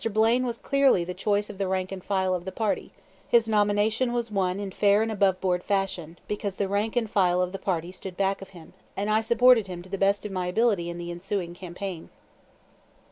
Blaine was clearly the choice of the rank and file of the party; his nomination was won in fair and aboveboard fashion, because the rank and file of the party stood back of him; and I supported him to the best of my ability in the ensuing campaign.